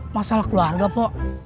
masalah keluarga pok